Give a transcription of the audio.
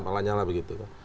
pak lanyala begitu